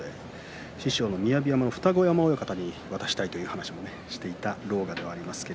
師匠の雅山の二子山親方に渡したいという話もしていた狼雅です。